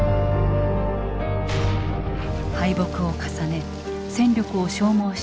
敗北を重ね戦力を消耗した日本。